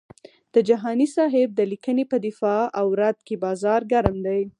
د جهاني صاحب د لیکنې په دفاع او رد کې بازار ګرم دی.